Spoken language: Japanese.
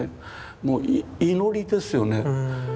もう祈りですよね。